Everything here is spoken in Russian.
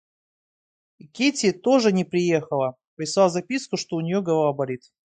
Кити тоже не приехала, прислав записку, что у нее голова болит.